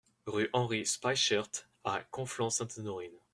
Rue Henri Spysschaert à Conflans-Sainte-Honorine